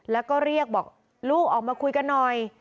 แล้วก็เรียกบอกลูกออกมาคุยกันหน่อย